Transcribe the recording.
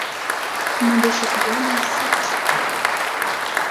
На душе пьяно и сыто стало.